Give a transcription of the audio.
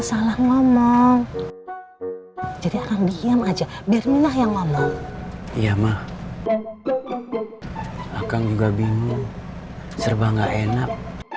salah ngomong jadi akan diam aja biar minah yang ngomong ya mah akan juga bingung serba enggak enak